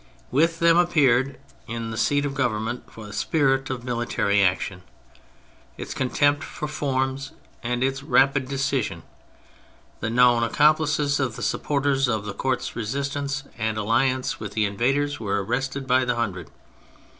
With them appeared in the seat of Government the spirit of military action, its contempt for forms and its rapid decision. The known accomplices of the supporters of the Court's resistance and alliance with the invaders were arrested by the hundred.